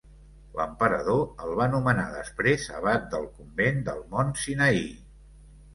L'emperador el va nomenar després abat del convent del Mont Sinaí.